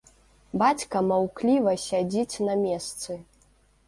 Бацька маўкліва сядзіць на месцы.